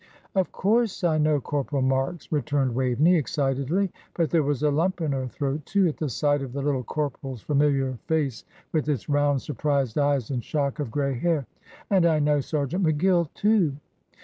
"Of course I know Corporal Marks," returned Waveney, excitedly; but there was a lump in her throat, too, at the sight of the little corporal's familiar face, with its round, surprised eyes and shock of grey hair. "And I know Sergeant McGill, too."